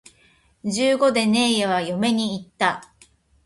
十五でねえやは嫁に行った